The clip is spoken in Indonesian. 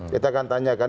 kita akan tanyakan